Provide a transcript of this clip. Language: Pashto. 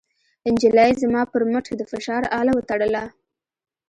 نجلۍ زما پر مټ د فشار اله وتړله.